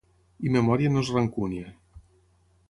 I memòria no és rancúnia.